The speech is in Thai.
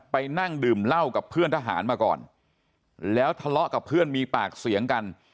ไปนั่งดื่มเหล้ากับเพื่อนทหารมาก่อนแล้วทะเลาะกับเพื่อนมีปากเสียงกัน